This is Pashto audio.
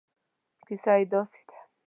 کیسه یې داسې ده.